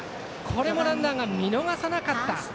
これもランナーが見逃さなかった。